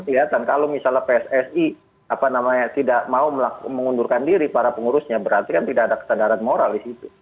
lihat kan kalau misalnya pssi tidak mau mengundurkan diri para pengurusnya berarti kan tidak ada kesadaran moral disitu